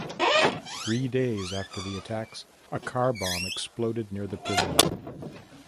Three days after the attacks, a car bomb exploded near the prison.